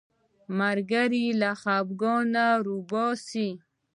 ملګری له خفګانه راوباسي